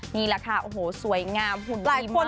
นี่แหละค่ะโอ้โหสวยงามหุ่นดีมาก